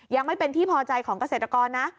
ยังไม่เป็นที่พอใจของเกษตรกรนะ